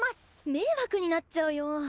迷惑になっちゃうよ。